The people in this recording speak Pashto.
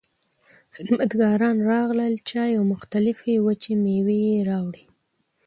خدمتګاران راغلل، چای او مختلفې وچې مېوې يې راوړې.